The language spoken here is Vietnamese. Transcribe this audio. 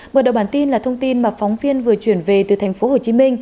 mở đầu bản tin là thông tin mà phóng viên vừa chuyển về từ tp hcm